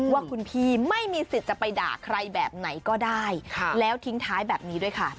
ว่าคุณพี่ไม่มีสิทธิ์จะไปด่าใครแบบไหนก็ได้แล้วทิ้งท้ายแบบนี้ด้วยค่ะ